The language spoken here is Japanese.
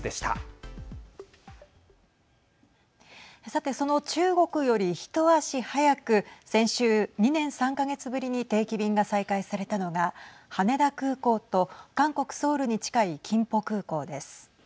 さて、その中国より一足早く先週、２年３か月ぶりに定期便が再開されたのが羽田空港と韓国ソウルに近いキンポ空港です。